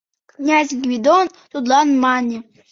Князь Гвидон тудлан мане: